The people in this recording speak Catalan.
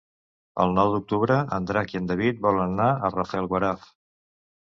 El nou d'octubre en Drac i en David volen anar a Rafelguaraf.